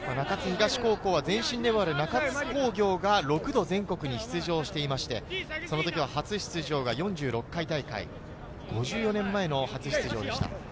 中津東高校は前身でもある中津工業が６度全国に出場していまして、その時は初出場が４６回大会、５４年前の初出場でした。